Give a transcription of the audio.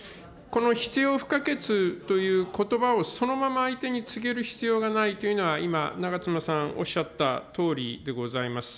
この必要不可欠ということばをそのまま相手に告げる必要がないというのは、今、長妻さんおっしゃったとおりでございます。